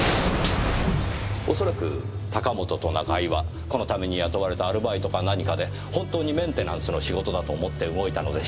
おそらく高本と中井はこのために雇われたアルバイトか何かで本当にメンテナンスの仕事だと思って動いたのでしょう。